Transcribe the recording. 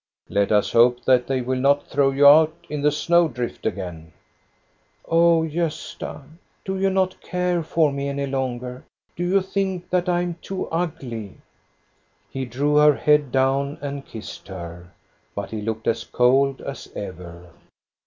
" Let us hope that they will not throw you out in the snow drift again." " Oh, Gosta, do you not care for me any longer? Do you think that I am too ugly? " He drew her head down and kissed her, but he looked as cold as ever.